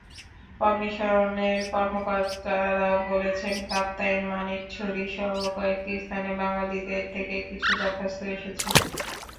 কমিশনের কর্মকর্তারা বলেছেন কাপ্তাই, মানিকছড়িসহ কয়েকটি স্থানের বাঙালিদের থেকে কিছু দরখাস্ত এসেছে।